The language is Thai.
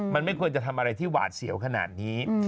มันไม่ควรจะทำอะไรที่หวาดเสียวขนาดนี้